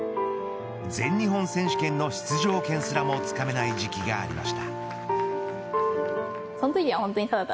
全日本選手権の出場権すらもつかめない時期がありました。